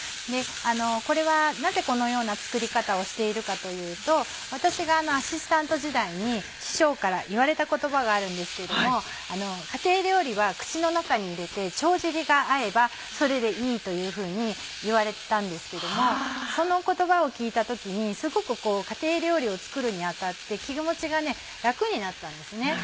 これはなぜこのような作り方をしているかというと私がアシスタント時代に師匠から言われた言葉があるんですけども家庭料理は口の中に入れて帳尻が合えばそれでいいというふうに言われてたんですけどもその言葉を聞いた時にすごく家庭料理を作るにあたって気持ちが楽になったんですね。